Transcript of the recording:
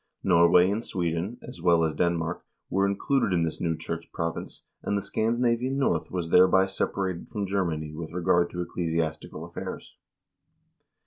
Norway and Sweden, as well as Denmark, were included in this new church province, and the Scandinavian North was thereby separated from Germany with regard to ecclesiastical affairs.